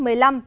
bán kính gió